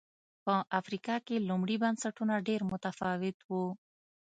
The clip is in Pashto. په افریقا کې لومړي بنسټونه ډېر متفاوت و